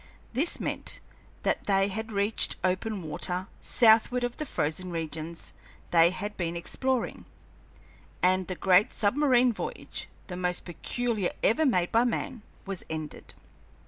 This meant that they had reached open water southward of the frozen regions they had been exploring, and the great submarine voyage, the most peculiar ever made by man, was ended.